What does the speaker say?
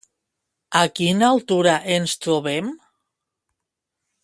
A quina altura ens trobem?